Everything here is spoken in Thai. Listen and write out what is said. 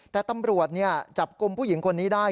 แต่ตำรวจจับกลุ่มผู้หญิงคนนี้ได้